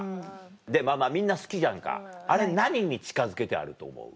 でみんな好きじゃんかあれ何に近づけてあると思う？